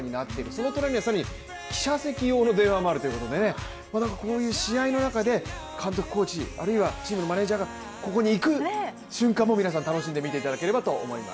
その隣には更に記者席用の電話もあるということで、こういう試合の中で、監督、コーチ、あるいはチームのマネージャーがここに行く瞬間も皆さん楽しんで見ていただければと思います。